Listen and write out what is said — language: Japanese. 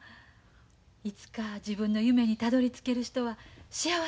いつか自分の夢にたどりつける人は幸せやと思います。